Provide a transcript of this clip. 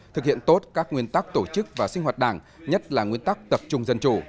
thực hiện tốt các nguyên tắc tổ chức và sinh hoạt đảng nhất là nguyên tắc tập trung dân chủ